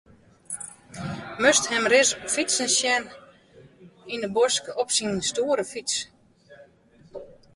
Moatst him ris fytsen sjen yn 'e bosk op syn stoere fyts.